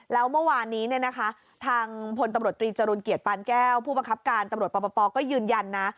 แล้วเมื่อวานนี้ทางพลตำรวจตรีจรูลเกียรติปานแก้วผู้บังคับการตำรวจปปก็ยืนยันนะ